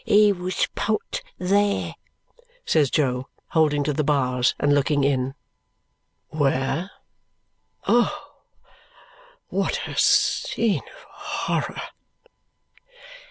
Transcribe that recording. "He was put there," says Jo, holding to the bars and looking in. "Where? Oh, what a scene of horror!"